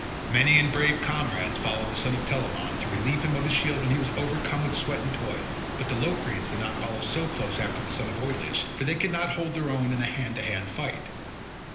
Many and brave comrades followed the son of Telamon, to relieve him of his shield when he was overcome with sweat and toil, but the Locrians did not follow so close after the son of Oileus, for they could not hold their own in a hand to hand fight.